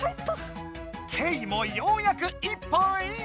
ケイもようやく１本イン！